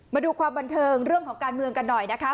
มาดูความบันเทิงเรื่องของการเมืองกันหน่อยนะคะ